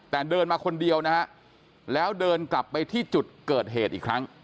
แต่เดินมาคนเดียวนะฮะแล้วเดินกลับไปที่จุดเกิดเหตุอีกครั้ง